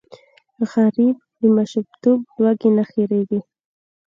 غریب د ماشومتوب لوږې نه هېرېږي